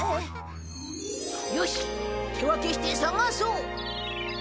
よしっ手分けして探そう！